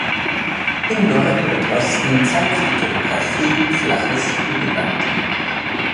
Im Norden und Osten zeigt die Topografie flaches Hügelland.